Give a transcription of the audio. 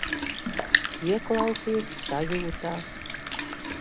Ieklausies sajūtās.